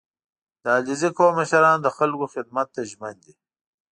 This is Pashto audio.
• د علیزي قوم مشران د خلکو خدمت ته ژمن دي.